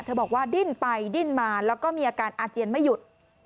บอกว่าดิ้นไปดิ้นมาแล้วก็มีอาการอาเจียนไม่หยุด